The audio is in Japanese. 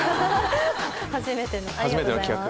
初めてありがとうございます。